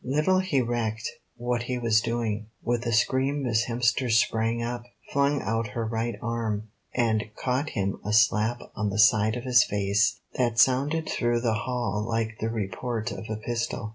Little he recked what he was doing. With a scream Miss Hemster sprang up, flung out her right arm, and caught him a slap on the side of his face that sounded through the hall like the report of a pistol.